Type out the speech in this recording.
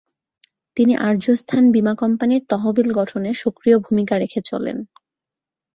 তিনি আর্যস্থান বীমা কোম্পানির তহবিল গঠনে সক্রিয় ভূমিকা রেখেচনে।